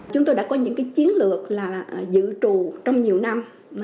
chúng tôi đã có những chiến lược là dự trù trong nhiều năm